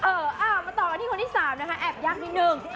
เออมาต่อกันที่คนที่๓นะคะแอบยากนิดนึง